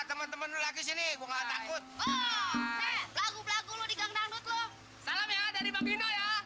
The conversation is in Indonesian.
salam ya dari bang bino ya